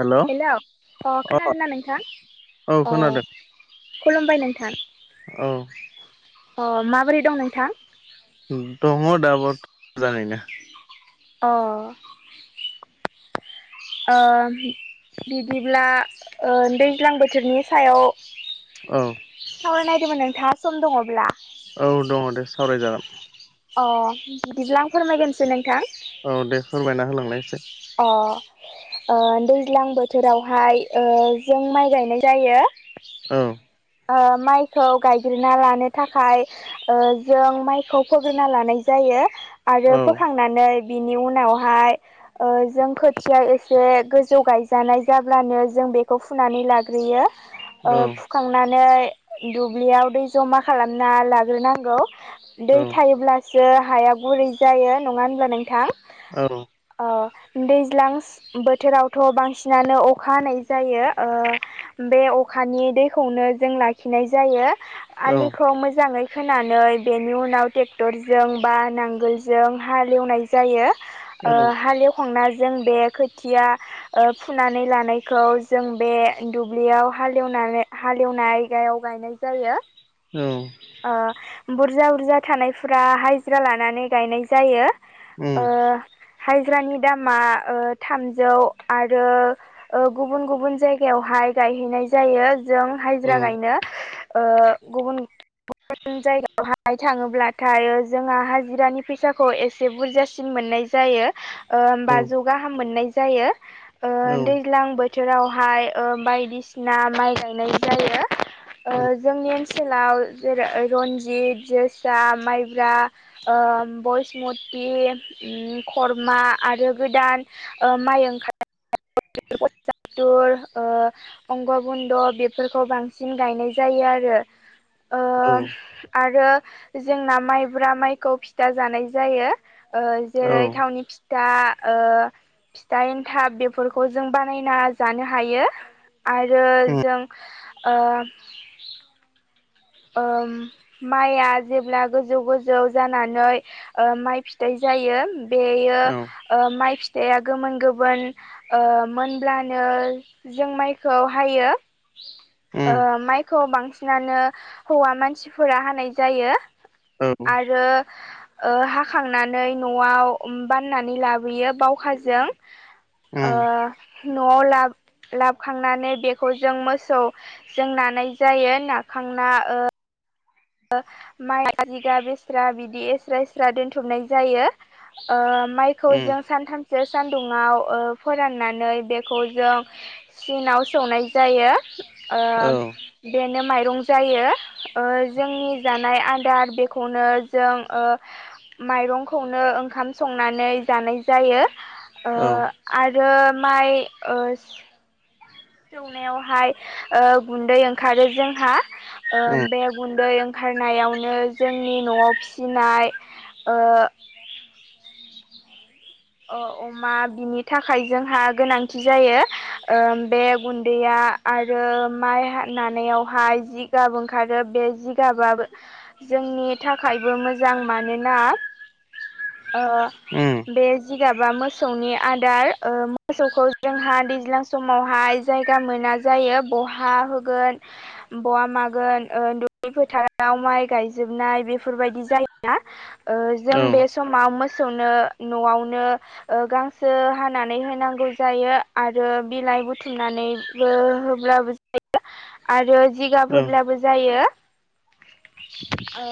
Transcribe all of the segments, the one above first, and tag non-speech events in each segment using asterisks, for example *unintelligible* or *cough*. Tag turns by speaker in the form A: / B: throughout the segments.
A: Hello
B: हेल' अ
A: अ
B: खोनादोंना नोंथां
A: औ
B: अ?
A: खोनादों
B: खुलुमबाय नोंथां
A: औ
B: अ माबोरै दं नोंथां?
A: दङ दाबो मोजाङैनो
B: अह ओ बिदिब्ला दैज्लां बोथोरनि सायाव
A: औ
B: सावरायनो नायदोंमोन नोंथाङा सम दङब्ला
A: औ दङ दे सावरायजागोन।
B: अ बिदिब्ला आं फोरमायग्रोनोसै नोंथां
A: औ दे फोरमायना होलांनायसाय
B: अह ओ दैज्लां बोथोरावहाय ओ जों माइ गायनाय जायो।
A: औ
B: ओ माइखौ गायग्रोना लानो थाखाय ओ जों माइखौ फोग्रोना लानाय जायो आरो
A: औ
B: फोखां नानै बिनि उनावहाय ओ जों खोथिया एसे गोजौ गायजानाय जाब्लानो जों बेखौ फुनानै लाग्रोयो।
A: औ
B: ओ फुखांनानै दुब्लियाव दै जमा खालामना लाग्रोनांगौ।
A: औ
B: दै थायोब्लासो हाया गुरै जायो नङा होनब्ला नोंथां।
A: औ।
B: अ दैज्लांस बोथोरावथ' बांसिनानो अखा हानाय जायो ओ बे अखानि दै खौनो जों लाखिनाय जायो आलिखौ मोजाङै होनानै बेनि उनाव ट्रेक्टरजों बा नांगोलजों हाल एवनाय जायो
A: औ
B: ओ हाल एवखांना जों बे खोथिया ओ फुनानै लानायखौ जों बे दुब्लियाव हाल एवनानै हाल एवनाय गायाव गायनाय जायो।
A: औ।
B: ओ बुरजा-बुरजा थानायफोरा हाजिरा लानानै गायनाय जायो।
A: उम
B: ओ हाजिरानि दामा ओ थामजौ आरो ओ गुबुन-गुबुन जायगायावहाय गायहैनाय जायो जों हाजिरा गायनो। ओ गुबुन-गुबुन जायगायाव *unintelligible* थाङोब्लाथाय जोंहा हाजिरानि फैसाखौ एसे बुरजासिन मोननाय जायो। ओम बाजौ गाहाम मोननाय जायो ओ
A: औ
B: दैज्लां बोथ थोरावहाय ओ बायदिसिना माइ गायनाय जायो
A: औ
B: ओ जोंनि ओनसोलाव जेरै रनजित जोसा माइब्रा ओ बैसमति ओम खर्मा आरो गोदान ओ माइ ओंखारनाय *inaudible* ओ बंग' बुन्द' बे बेफोरखौ बांसिन गायनाय जायो आरो। ओ आरो जोंना माइब्रा माइखौ फिथा जानाय जायो। ओ
A: औ
B: जेरै थावनि फि दा ओ फिथा एन्थाब बेफोरखौ जों बानायना जानो हायो। आरो
A: उम औ
B: जों ओ ओम माइआ जेब्ला गोजौ-गोजौ जानानै ओ माइ फिथाइ जायो। बेयो ओ माइ फिथाइया गोमोन-गोमोन ओ मोनब्लानो जों माइखौ हायो।
A: उम
B: ओ माइखौ बांसिनानो हौवा मानसिफोरा हानाय जायो।
A: औ
B: आरो ओ हाखांनानै न'आव बाननानै लाबोयो बावखाजों ओ
A: उम
B: न'आव लाब लाबखांनानै बेखौ जों मोसौ जों नानाय जायो नाखांना ओ ओ माइ जिगाब एस्रा बिदि एस्रा-एस्रा दोनथुमनाय जायो। ओ माइखौ
A: उम
B: जों सानथाम सो सान्दुंङाव ओ फोराननानै बेखौ जों चिनाव सौनाय जायो। ओ
A: औ उम औ
B: बेनो माइरं जायो। ओ जोंनि जानाय आदार बेखौनो जों ओ माइरंखौनो ओंखाम संनानै जानाय जायो। ओ
A: औ
B: आरो माइ ओ सौनायावहाय ओ गुन्दै ओंखारो जोंहा ओ बे गुन्दै ओंखारनायावनो जोंनि न'आव फिसिनाय ओ अमा बिनि थाखाय जोंहा गोनांथि जायो बे गुन्दैया आरो माइ नानायावहाय जिगाब ओंखारो बे जिगाबाबो जोंनि थाखायबो मोजां मानोना ओ
A: उम
B: बे जिगाबा मोसौनि आदार ओ मोसौखौ जोंहा दैज्लां समावहाय जायगा मोना जायो बहा होगोन बहा मागोन ओ दुब्लि फोथाराव माइ गायजोबनाय बेफोरबायदि जायोना। ओ जों बे समाव मोसौनो न'आवनो गांसो हानानै होनांगौ जायो आरो बिलाइ बुथुमनानै होब्लाबो जायो आरो जिगाब होब्लाबो जायो ओ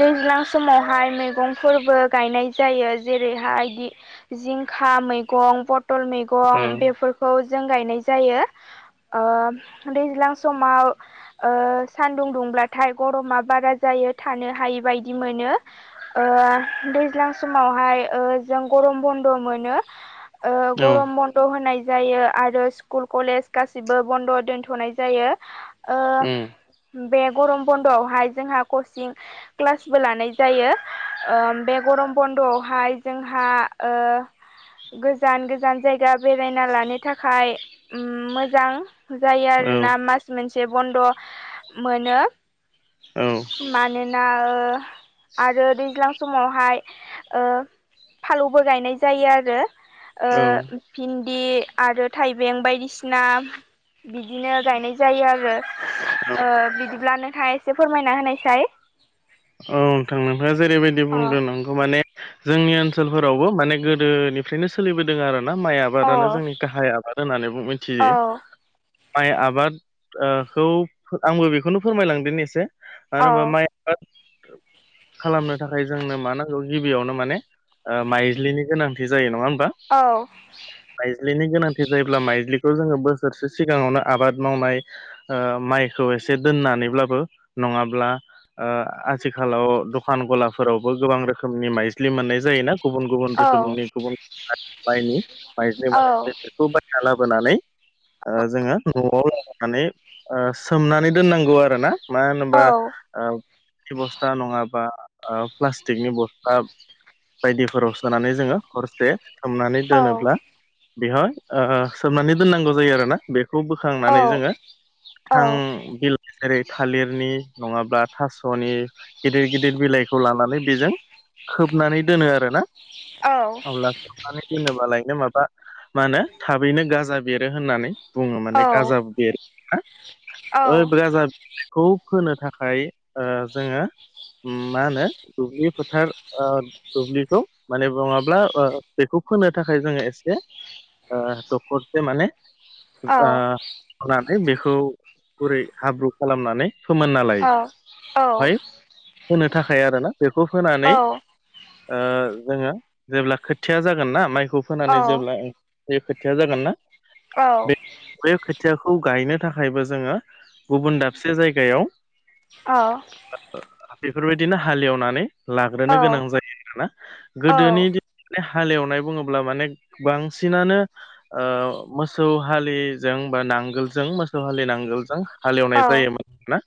B: दैज्लां समावहाय मैगंफोरबो गायनाय जायो जेरैहाय जिंखा मैगं पथल मैगं बेफोरखौ जों गायनाय जायो दैज्लां समाव ओ सान्दुं दुंब्लाथाय गरमा बारा जायो थानो हायि बायदि मोनो दैज्लां समावहाय जों गरम बन्द मोनो ओ गरम ब नद होनाय जायो आरो स्कुल कलेज गासिबो बन्द' दोनथ'नाय जायो बे गरम बन्द'आवहाय जोंहा कचिं क्लासबो लानाय जायो ओ बे गरम बन्द'आवहाय जोंहा ओ गोजान गोजान जायगा बेरायना लानो थाखाय मोजां जायो
A: औ
B: आरोना मास मोनसे बन्द' मोनो
A: औ
B: मानोना ओ आरो दैज्लां समावहाय फालौबो गायनाय जायो आरो
A: औ
B: भिन्दि आरो थाइबें बायदिसिना बिदिनो गायनाय जायो आरो
A: औ
B: बिदिब्ला नोंथाङा एसे फोरमायना होनायसाय
A: औ नोंथां नोंथाङा जेरैबायदि बुंदों नंगौ माने जोंनि ओनसोलफोराव माने गोदोनिफ्रायनो सोलिबोदों आरोना माइ आबाद आबादानो जोंनि गाहाय आबाद होननानै मिथियो माइ आबादखौ आंबो बेखौनो फोरमायलांदिनि एसे मानो होनबा माइ *unintelligible* खालामनो थाखाय जोंनो मा नांगौ गिबियावनो माने माइज्लिनि गोनांथि जायो नङा होमबा
B: औ
A: माइज्लिनि गोनांथि जायोब्ला माइज्लिखौ जोङो बोसोरसे सिगाङावनो आबाद मावनाय माइखौ एसे दोननानैब्लाबो नङाब्ला आथिखालाव दखान गलाफोरावबो गोबां रोखोमनि माइज्लि मोननाय जायोना गुबुन गुबुन रोखोमनि गुबुन गुबुन माइनि माइज्लि मोननाय जायो बेफोरखौ बायना लाबोनानै जोङो न'आव लानानै सोमनानै दोननांगौ आरोना मानो होनोबा बस्था नङाबा प्लास्टिकनि बस्था बायदिफोराव सोनानै जोङो हर- से सोमनानै दोनोब्ला बेहाय सोमनानै दोननांगौ जायो आरोना बे खौ बोखांनानै जोङो गोथां बिलाइ जेरै थालिरनि नङाब्ला थास' नि गिदिर गिदिर बिलाइखौ लानानै बेजों खोबनानै दोनो आरोना अब्ला खोबनानै दोनोबालायनो माबा मा होनो थाबैनो गाजा बेरो होननानै बुङो माने गाजा बेर ओइ गाजा खौ फोनो थाखाय जोङो मा होनो दुब्लि फोथार ओ दुब्लिखौ माने नङाब्ला ओ बेखौ फोनो थाखाय जोङो एसे ओ दखरसे माने ओ नानै बेखौ गुरै हाब्रु खालामनानै फोमोनना लायो।
B: अ औ
A: फाइ होनो थाखाय आरोना बेखौ होनानै ओ जोङो जेब्ला खोथिया जागोन ना माइखौ फोनानै जेब्ला ओ बे खोथाया जागोन ना
B: औ
A: बे बे खोथियाखौ गायनो थाखायबो जोङो गुबुन दाबसे जायगायाव
B: अ
A: ओ बेफोरबायदिनो हालेवनानै लाग्रोनो गोनां जायो आरोना गोदोनि दिन माने हालेवनाय बुङोब्ला माने बांसिनानो ओ मोसौ हालिजों बा नां *unintelligible* मोसौ हालिनांगोलजों हालएवनाय जायोमोन ना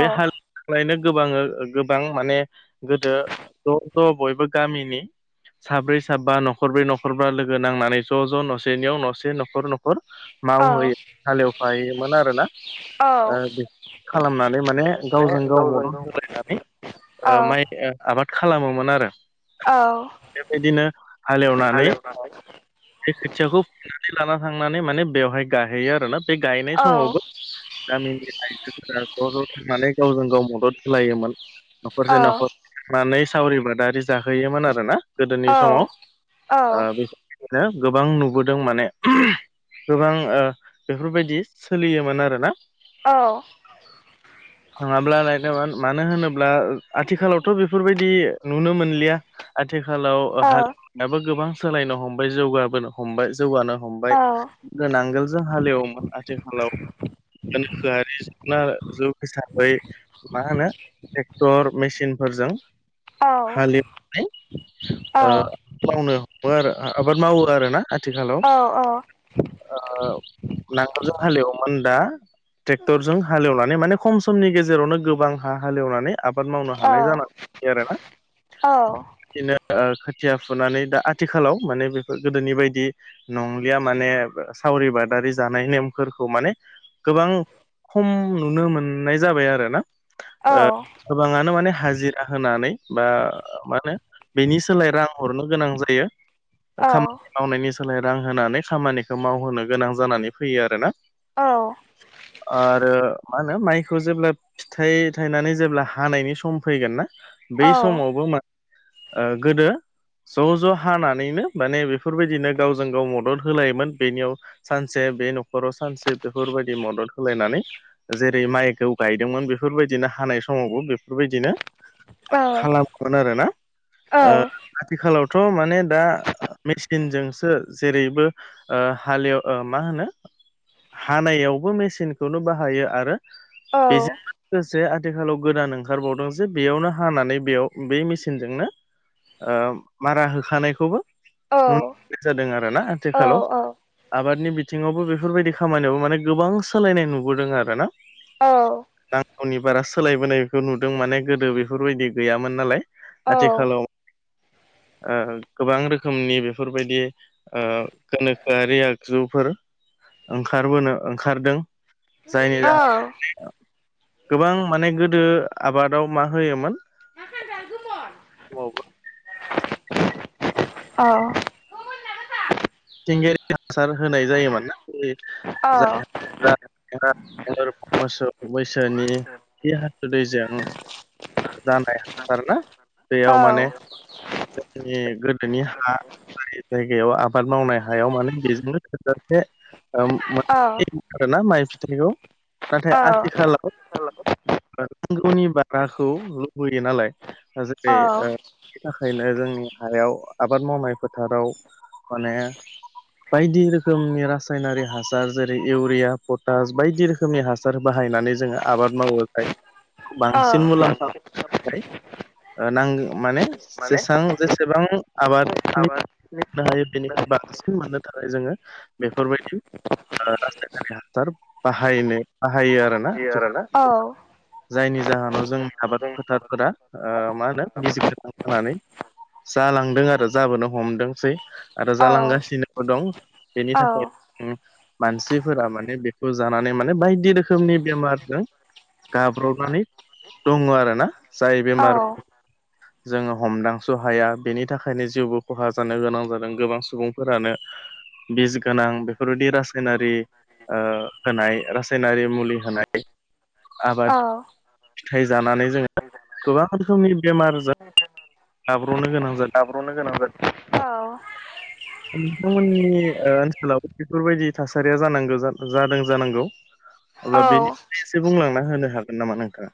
A: बे हाल *unintelligible* गोबांङो गोबां माने गोदो ज' ज' बयबो गामिनि साब्रै साबा न'खरब्रै न'खरबा लोगो नांनानै ज' ज' न'सेनियाव न'से न'खर न' खर मावहैयो हालेवफाहैयोमोन आरोना। ओ खालामनानै माने गावजों गाव मदद होलायनानै ओ माइ आबाद खालामोमोन आरो। बेबायदिनो हालेवनानै बे खोथियाखौ फुनानै लाना थांनानै माने बेवहाय गायहैयो आरोना बे गायनाय समावबो गामिनि आइजोफोरा ज' ज' थांनानै गावजों गाव मदद होलायोमोन न'खरसे न'खर मानै सावरि बादारि जाहोयोमोन आरोना गोदोनि समाव ओ बेफोर *unintelligible* गोबां नुबोदों माने गोबां ओ बेफोरबायदि सोलियोमोन आरोना।
B: औ।
A: *unintelligible* मानो होनोब्ला आथिखालावथ' बेफोरबायदि नुनो मोनलिया। आथिखालाव हालेवनायाबो गोबां सोलायनो हमबाय जौगाबोनो हमबाय। जौगानो हमबाय गो नांगोलजों हालेवोमोन आथिखालाव *unintelligible* *unintelligible* मा होनो ट्रेक्टर मेसिनफोरजों हालेवनानै ओ मावनो हमो आरो आबाद मावो आरोना। आथिखालाव ओ नांगोलजों हालेवोन दा ट्रेक्टरजों हालेवनानै माने खम समनि गेजेरावनो गोबां हा हालेवनानै आबाद मावनो हानाय जाना *unintelligible* आरोना बिदिनो ओ खोथिया फुनानै दा आथिखालाव माने बेफोर गोदोनि बायदि नंलिया माने सावरि बादारि जानाय नेमफोरखौ माने गोबां खम नुनो मोननाय जाबाय आरोना।
B: औ।
A: ओ गोबाङानो माने हाजिरा होनानै बा मा होनो बेनि सोलाय रां हरनो गोनां जायो खामानि मावनायनि सोलाय रां होनानै खामानिखौ मावहोनो गोनां जानानै फैयो आरोना।
B: औ।
A: आरो मा होनो माइ *unintelligible* जेब्ला फिथाइ थायनानै जेब्ला हानायनि सम फैगोन ना
B: औ
A: बै समावबो मा ओ गोदो ज' ज' हानानैनो माने बेफोरबायदिनो गावजों गाव मदद होलायोमोन बेनियाव सानसे बे न'खराव सानसे बेफोरबायदि मदद होलायनानै जेरै माइ *unintelligible* गायदोंमोन बेफोरबायदिनो हानाय समावबो बेफोरबायदिनो खालामोमोन आरोना आथिखालावथ' माने दा मेसिनजोंसो जेरैबो ओ हालेव मा होनो हानायावबो मेसिनखौनो बाहायो आरो बेजों लोगोसे आथिखालाव गोदान ओंखारबावदों जे बेयावनो हानानै बेयाव बे मेसिनजोंनो मारा होखानायखौबो *unintelligible* जादों आरोना आथिखालाव आबादनि बि थिङावबो बेफोरबायदि खामानियावबो माने गोबां सोलायनाय नुबोदों आरोना। नांगौनि बारा सोलायबोनायखौ नुदों माने गोदो बेफोरबायदि गैयामोन नालाय। आथिखालाव ओ गोबां रोखोमनि बेफोरबायदि ओ गोनोखोआरि आगजुफोर ओंखारबोनो ओंखारदों। जायनि जाहोनाव ओ गोबां माने गोदो आबादाव मा होयोमोन समावबो
B: *unintelligible*
A: *unintelligible* हासार होनाय जायोमोन ना *unintelligible* बोरमा मोसौ मैसोनि खि हासुदैजों जानाय हासार ना दैयाव माने जोंनि गोदोनि हा जायगायाव आ बाद मावनाय हायाव माने बेजोंनो थोजासे मोनो आरोना माइ फिथाइखौ नाथाय आथिखालाव नांगौनि बाराखौ लुबैयो नालाय जेरै बेनि थाखायनो जोंनि हायाव आबाद मावनाय फोथाराव माने बायदि रोखोमनि रासायनारि हासार जेरै इउरिया पटास बायदि रोखोम रोखोमनि हासार बाहायनानै जोङो आबाद मावोखाय बांसिन मुलाम्फा नांगौ माने जेसेबां जेसेबां आबादनि बाहायो बेनिा बांसिन मोननो थाखाय जोङो बेफोरबायदि रासायखारि हासार बाहायनो बाहायो आरो ना जायनि जाहोनाव जोंनि आबाद फोथारफोरा ओ मा होनो बिस गोनां जानानै जालांदों आरो जाबोनो हमदोंसै आरो जालांगासिनोबो दं बेनि थाखाय मानसिफोरा माने बेखौ जानानै माने बायदि रोखोमनि बेमारजों गाब्रबनानै दङ आरोना जाय
B: ओ
A: बेमार जोङो हमदांस'हाया बेनि थाखायनो जिउबो खहा जानो गोनां जादों गोबां सुबुंफोरानो बिस गोनां बेफोरबायदि रासायनारि होनाय रासायनारि मुलि होनाय आबाद फिथाइ जानानै जोङो गोबां रोखोमनि बेमार जाब्र'नो गोनां जायो
B: ब्र'नो गोनां जागोन
A: नोंथांमोननि ओ ओनसोलाव बेफोरबायदि थासारिया जानांगौ जादों जानांगौ अब्ला बेनि एसे बुंलांना होनो हागोन नामा नोंथाङा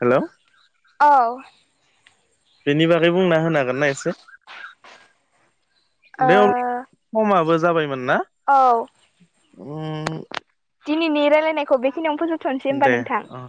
A: हेलौ
B: औ
A: बेनि बागै बुंना होनो हागोनना एसे दे अब्ला समाबो जाबायमोन ना
B: औ
A: *unintelligible*
B: दिनै रायलायनायखौ बेखनियावनो फोसथ'नोसै होमबा
A: दे
B: नोंथां
A: अ